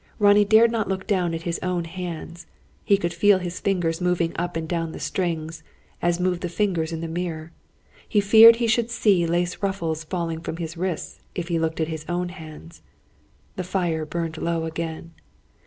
Ronnie dared not look down at his own hands. He could feel his fingers moving up and down the strings, as moved the fingers in the mirror. He feared he should see lace ruffles falling from his wrists, if he looked at his own hands. The fire burned low again.